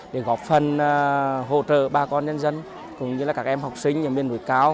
để góp phần hỗ trợ bà con nhân dân cũng như là các em học sinh nhân viên nổi cao